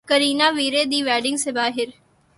Kareena Veere Di Wedding سے باہر